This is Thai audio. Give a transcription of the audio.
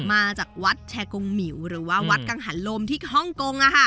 มาจากวัดแชร์กงหมิวหรือว่าวัดกังหันลมที่ฮ่องกง